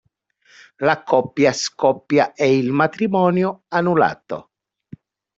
La coppia scoppia e il matrimonio annullato.